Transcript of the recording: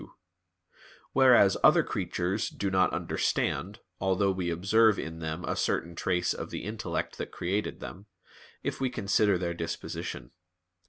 2); whereas other creatures do not understand, although we observe in them a certain trace of the Intellect that created them, if we consider their disposition.